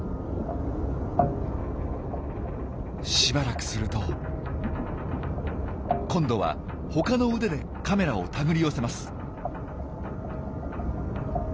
しばらくすると今度は他の腕でカメラを手繰り寄せます。